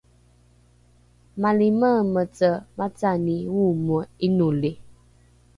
malimeemece macani oomoe ’inolri